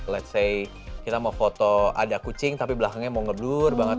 let's say kita mau foto ada kucing tapi belakangnya mau ngedur banget